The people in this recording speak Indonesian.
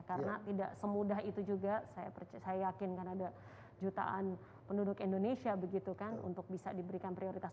karena tidak semudah itu juga saya yakin kan ada jutaan penduduk indonesia begitu kan untuk bisa diberikan prioritas